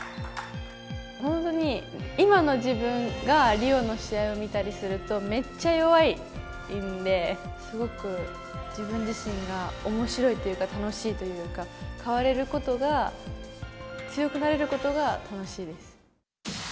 本当に今の自分がリオの試合を見たりすると、めっちゃ弱いんで、すごく自分自身がおもしろいというか、楽しいというか、変われることが、強くなれることが楽しいです。